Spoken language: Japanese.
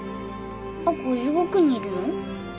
亜子地獄にいるの？